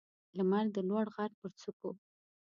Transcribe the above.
لمر د لوړ غر پر څوکو